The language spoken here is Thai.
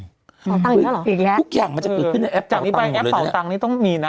เป่าตังอีกแล้วหรออีกแล้วทุกอย่างมันจะเปลี่ยนในแอปเป่าตังจากนี้ไปแอปเป่าตังนี่ต้องมีนะ